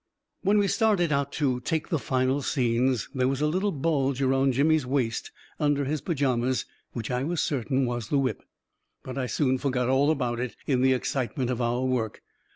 . When we started out to take the final scenes, there was a little bulge around Jimmy's waist under his pa jamas which I was certain was the whip. But I soon forgot all about it in the excitement of our work.